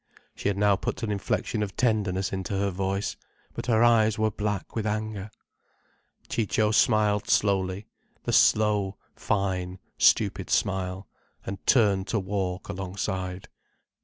She had now put an inflection of tenderness into her voice. But her eyes were black with anger. Ciccio smiled slowly, the slow, fine, stupid smile, and turned to walk alongside.